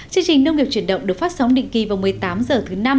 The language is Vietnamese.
chương trình nông nghiệp chuyển động được phát sóng định kỳ vào một mươi tám h thứ năm